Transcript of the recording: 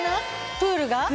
プールが。